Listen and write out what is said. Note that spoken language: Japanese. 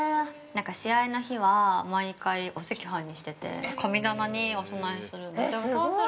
試合の日は、毎回お赤飯にしてて神棚にお供えするんです。